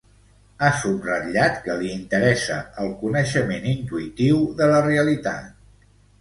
Ha subratllat que li interessa el coneixement intuïtiu de la realitat.